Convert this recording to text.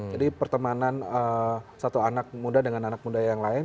pertemanan satu anak muda dengan anak muda yang lain